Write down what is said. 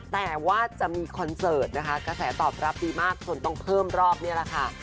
แต่ว่าจะมีคอนเสิร์ตนะคะกระแสตอบรับดีมากจนต้องเพิ่มรอบนี่แหละค่ะ